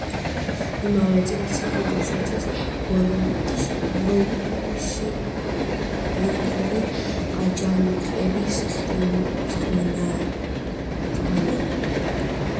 იმავე წელს იყო დუშეთის ბოლშევიკური აჯანყების ხელმძღვანელი.